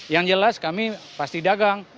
yang jelas kami pasti dagang